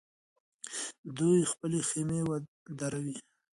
دوی خپلې خېمې دروي.